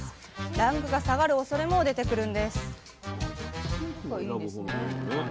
ランクが下がる恐れも出てくるんです